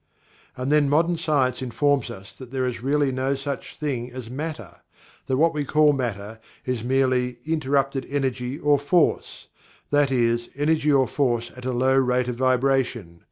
And then Modern Science informs us that there is really no such thing as Matter that what we call Matter is merely "interrupted energy or force," that is, energy or force at a low rate of vibration.